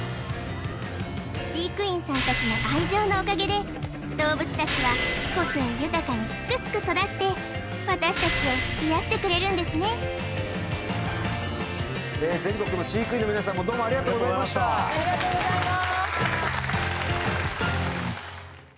飼育員さん達の愛情のおかげで動物達は個性豊かにすくすく育って私達を癒やしてくれるんですね全国の飼育員の皆さんもどうもありがとうございましたありがとうございます